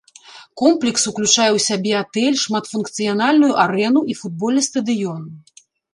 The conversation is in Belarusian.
Комплекс уключае ў сябе атэль, шматфункцыянальную арэну і футбольны стадыён.